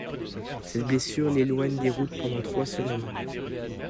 Cette blessure l'éloigne des routes pendant trois semaines.